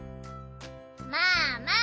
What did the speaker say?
まあまあ。